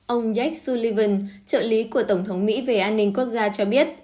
ông jak sullivan trợ lý của tổng thống mỹ về an ninh quốc gia cho biết